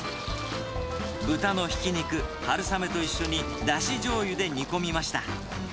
豚のひき肉、春雨と一緒にだしじょうゆで煮込みました。